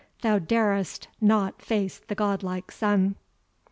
Thou darest not face the godlike sun."